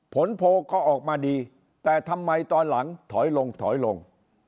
ผลโพลก็ออกมาดีแต่ทำไมตอนหลังถอยลงถอยลง